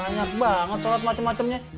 banyak banget sholat macem macemnya